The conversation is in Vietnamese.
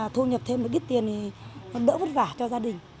thu nhập thêm một ít tiền thì đỡ vất vả cho gia đình